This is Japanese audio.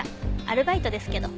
アルバイトですけど。